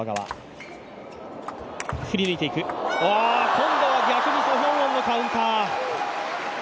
今度は逆にソ・ヒョウォンのカウンター。